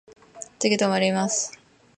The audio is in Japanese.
次止まります。